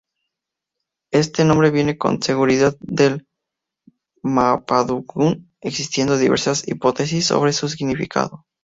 Este nombre viene con seguridad del mapudungun, existiendo diversas hipótesis sobre su significado.